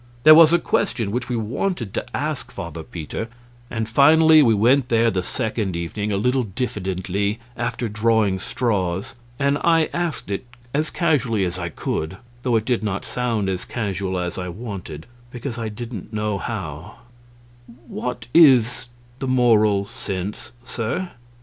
There was a question which we wanted to ask Father Peter, and finally we went there the second evening, a little diffidently, after drawing straws, and I asked it as casually as I could, though it did not sound as casual as I wanted, because I didn't know how: "What is the Moral Sense, sir?"